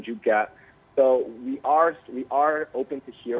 jadi kita terbuka untuk mendengar